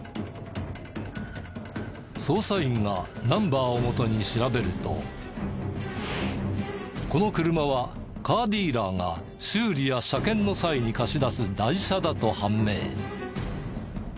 捜査員がナンバーをもとに調べるとこの車はカーディーラーが修理や車検の際に貸し出す代車だと判明。